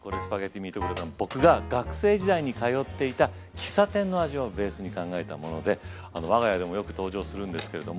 僕が学生時代に通っていた喫茶店の味をベースに考えたもので我が家でもよく登場するんですけれども。